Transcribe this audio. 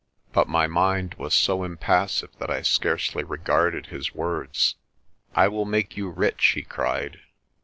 But my mind was so impassive that I scarcely regarded his words. "I will make you rich," he cried.